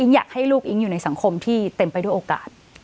อยากให้ลูกอิ๊งอยู่ในสังคมที่เต็มไปด้วยโอกาส